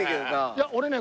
いや俺ね